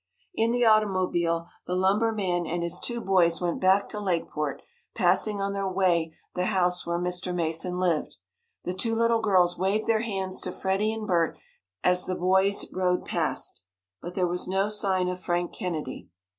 In the automobile the lumber man and his two boys went back to Lakeport, passing on their way the house where Mr. Mason lived. The two little girls waved their hands to Freddie and Bert as the boys rode past. But there was no sign of Frank Kennedy.